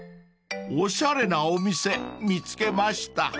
［おしゃれなお店見つけました］